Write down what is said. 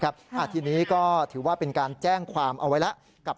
ทีนี้ก็ถือว่าเป็นการแจ้งความเอาไว้แล้วกับ